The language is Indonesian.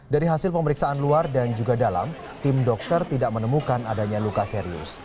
dari hasil pemeriksaan luar dan juga dalam tim dokter tidak menemukan adanya luka serius